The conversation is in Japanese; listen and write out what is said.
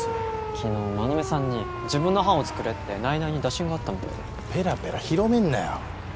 昨日馬目さんに自分の班を作れって内々に打診があったみたいでペラペラ広めんなよ